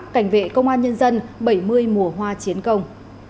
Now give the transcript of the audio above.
cảnh vệ công an nhân dân bảy mươi mùa hoa chiến công